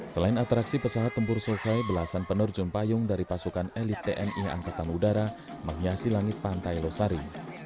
selain atraksi pesawat tempur survey belasan penerjun payung dari pasukan elit tni angkatan udara menghiasi langit pantai losari